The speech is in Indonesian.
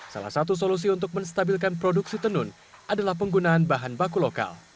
salah satu solusi untuk menstabilkan produksi tenun adalah penggunaan bahan baku lokal